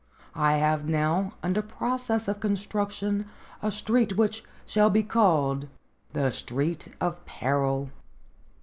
I have now under process of construction a street which shall be called the Street of Peril.